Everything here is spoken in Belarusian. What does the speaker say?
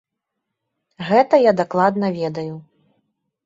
Гэта я дакладна ведаю.